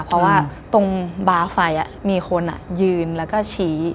เพราะว่าตรงบาร์ไฟมีคนยืนแล้วก็ชี้